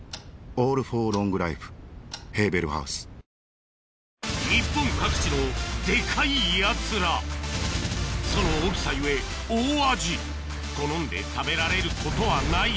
ヤマト運輸日本各地のデカいやつらその大きさ故大味好んで食べられることはない